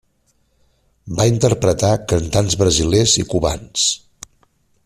Va interpretar cantants brasilers i cubans.